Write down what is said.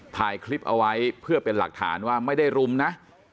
ถ่ายคลิปเอาไว้เพื่อเป็นหลักฐานว่าไม่ได้รุมนะ